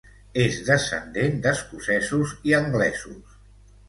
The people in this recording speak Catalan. És descendent d'escocesos i anglesos.